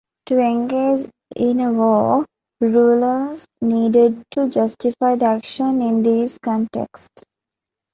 To engage in a war rulers needed to justify the action in these contexts.